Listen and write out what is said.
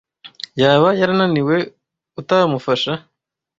Yaba yarananiwe atamufasha.